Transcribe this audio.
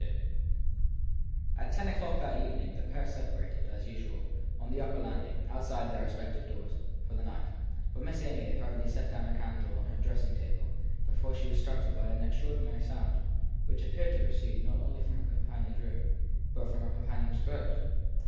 II AT ten o clock that evening the pair separated, as usual, on the upper landing, outside their respective doors, for the night; but Miss Amy had hardly set down her candle on her 250 THE THIED PERSON dressing table before she was startled by an extraordinary sound, which appeared to proceed not only from her com panion s room, but from her companion s throat.